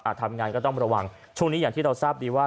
ทำงานก็ต้องระวังช่วงนี้อย่างที่เราทราบดีว่า